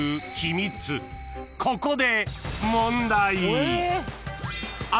［ここで］